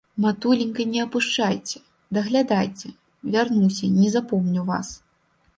Матуленька не апушчайце, даглядайце, вярнуся, не запомню вас.